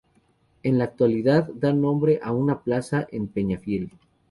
En la actualidad da nombre a una plaza en Peñafiel.